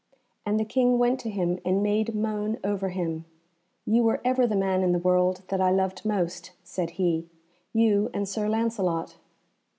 And the King went to him and made moan over him: "You were ever the man in the world that I loved most," said he, "you and Sir Lancelot."